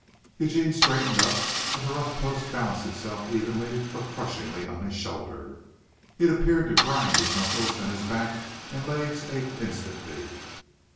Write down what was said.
Eugene straightened up and the rough post balanced itself evenly but crushingly on his shoulder. It appeared to grind his muscles and his back and legs ached instantly.